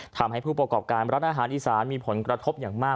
ทำให้ผู้ประกอบการร้านอาหารอีสานมีผลกระทบอย่างมาก